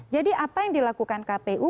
jadi apa yang dilakukan kpu